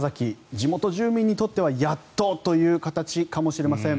地元住民にとってはやっとという形かもしれません。